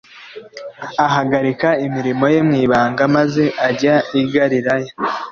Ahagarika imirimo ye mw’ibanga, maze ajya i Galilaya